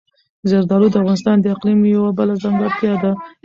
زردالو د افغانستان د اقلیم یوه بله ځانګړتیا ده.